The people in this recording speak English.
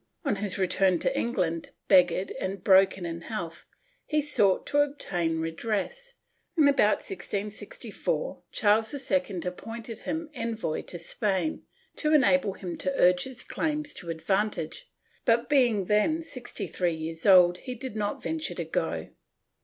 On his return to England, beggared and broken in health, he sought to obtain redress and, about 1664, Charles II appointed him envoy to Spain, to enable him to urge his claims to advantage, but being then 63 years old he did not venture to go.